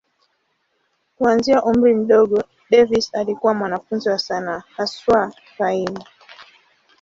Kuanzia umri mdogo, Davis alikuwa mwanafunzi wa sanaa, haswa kaimu.